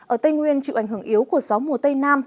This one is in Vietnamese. ở tây nguyên chịu ảnh hưởng yếu của gió mùa tây nam